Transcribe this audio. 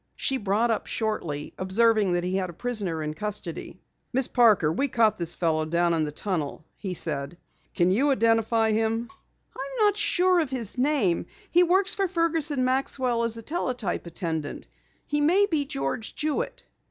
She brought up shortly, observing that he had a prisoner in custody. "Miss Parker, we caught this fellow down in the tunnel," he said. "Can you identify him?" "I'm not sure of his name. He works for Fergus and Maxwell as a teletype attendant. He may be George Jewitt."